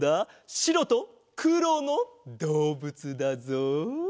しろとくろのどうぶつだぞ。